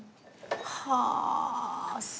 はあ。